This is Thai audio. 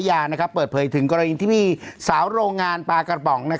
อาหารและยาเปิดเผยที่โรงงานปลากระป๋อง